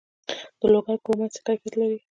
د لوګر کرومایټ څه کیفیت لري؟